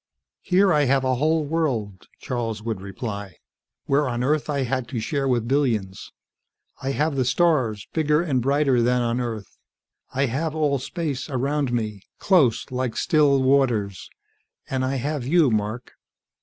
"Here I have a whole world," Charles would reply, "where on Earth I had to share with billions. I have the stars, bigger and brighter than on Earth. I have all space around me, close, like still waters. And I have you, Mark."